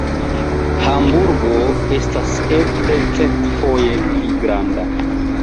Hamburgo estas eble centfoje pli granda.